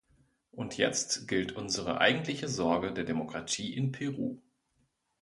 Und jetzt gilt unsere eigentliche Sorge der Demokratie in Peru.